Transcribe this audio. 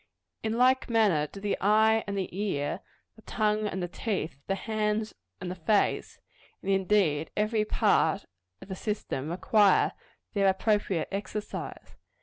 In like manner do the eye and the ear, the tongue and the teeth, the hands and the face and indeed every part of the system require their appropriate exercise.